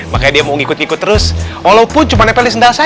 makanya dia mau ngikut ngikut terus walaupun cuma nepelin sendal saya